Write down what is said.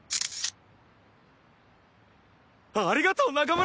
ありがとう中村！